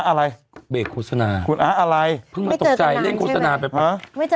อ๊าปั้นอ๊าอะไรคุณอ๊าอะไร